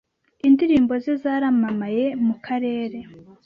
indirimbo ze zaramamaye mu karere